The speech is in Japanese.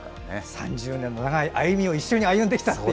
３０年の長い歩みを一緒に歩んできたと。